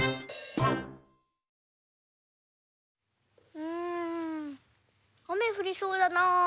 うんあめふりそうだな。